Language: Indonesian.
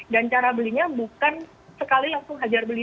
dan cara belinya bukan sekali langsung hajar beli